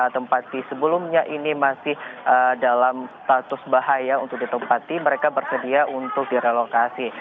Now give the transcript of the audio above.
tempat di sebelumnya ini masih dalam status bahaya untuk ditempati mereka bersedia untuk direlokasi